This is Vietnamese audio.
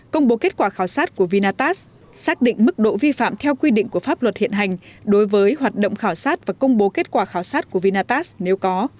công bố kết quả khảo sát của vinatast xác định mức độ vi phạm theo quy định của pháp luật hiện hành đối với hoạt động khảo sát và công bố kết quả khảo sát của vinatax nếu có